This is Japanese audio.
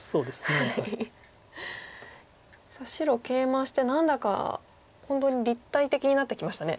白ケイマして何だか本当に立体的になってきましたね